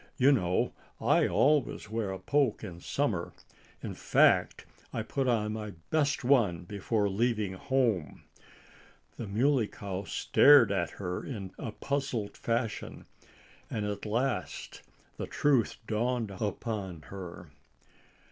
You know, I always wear a poke in summer. In fact, I put on my best one before leaving home." The Muley Cow stared at her in a puzzled fashion. And at last the truth dawned upon her.